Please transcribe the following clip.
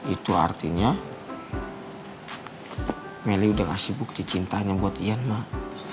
itu artinya meli udah ngasih bukti cintanya buat iyan mak